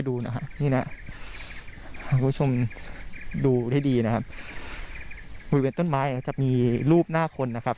ดูให้ดีนะครับบริเวณต้นไม้จะมีรูปหน้าคนนะครับ